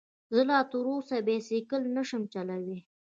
زه لا تر اوسه بايسکل نشم چلولی